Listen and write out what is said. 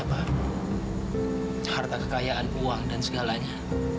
harta kekayaan uang dan segalanya kekayaan uang dan segalanya